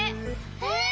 えっ！？